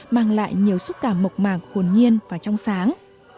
mang lại nhiều xúc cảm mộc mạng hồn nhiên và trong sáng